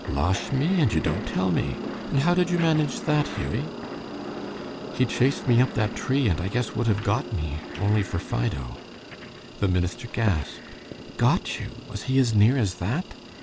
"Losh me! And you don't tell me! And how did you manage that, Hughie?" "He chased me up that tree, and I guess would have got me only for Fido." The minister gasped. "Got you? Was he as near as that?"